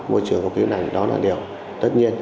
môi trường không khí này đó là điều tất nhiên